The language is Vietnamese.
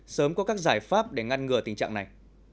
sớm có các giải pháp để ngăn ngừa tình trạng này